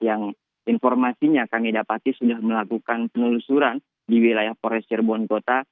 yang informasinya kami dapatkan sudah melakukan penelusuran di wilayah forestier bondkota